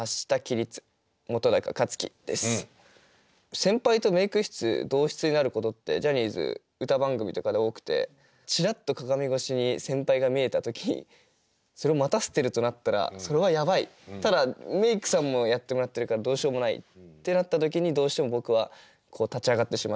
先輩とメイク室同室になることってジャニーズ歌番組とかで多くてチラッと鏡越しに先輩が見えた時それを待たせてるとなったらそれはやばいただメイクさんもやってもらってるからどうしようもないってなった時にどうしても僕は立ち上がってしまう。